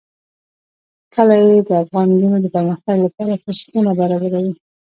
کلي د افغان نجونو د پرمختګ لپاره فرصتونه برابروي.